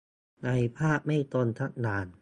ในภาพไม่ตรงสักอย่าง